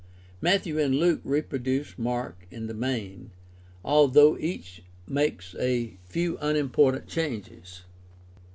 Matthew and Luke reproduce Mark in the main, although each makes a few unimportant changes.